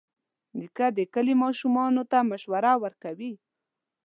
نیکه د کلي ماشومانو ته مشوره ورکوي.